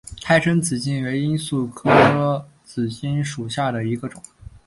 胎生紫堇为罂粟科紫堇属下的一个种。